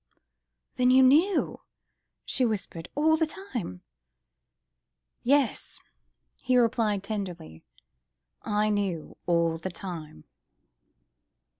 "Then you knew? ..." she whispered, "all the time ..." "Yes!" he replied tenderly, "I knew ... all the time.